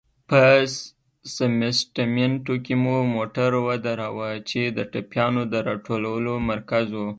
په سمسټمینټو کې مو موټر ودراوه، چې د ټپيانو د را ټولولو مرکز و.